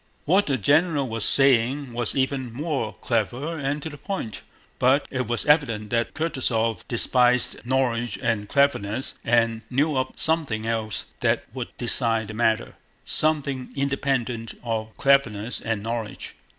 What the general was saying was even more clever and to the point, but it was evident that Kutúzov despised knowledge and cleverness, and knew of something else that would decide the matter—something independent of cleverness and knowledge.